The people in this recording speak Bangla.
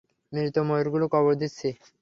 মৃত ময়ূরগুলো কবর দিচ্ছি।